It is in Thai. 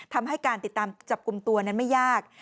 ทำให้การติดตามจับกลุ่มตัวนั้นไม่ยาก